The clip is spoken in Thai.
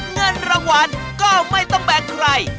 เงินรางวัลก็ไม่ต้องแบกใคร